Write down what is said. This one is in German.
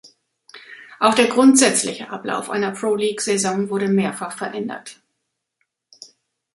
Auch der grundsätzliche Ablauf einer Proleague-Saison wurde mehrfach verändert.